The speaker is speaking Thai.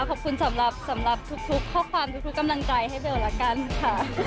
ขอบคุณสำหรับทุกข้อความทุกกำลังใจให้เบลละกันค่ะ